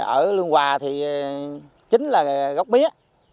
ở lương hòa thì chính là gốc mía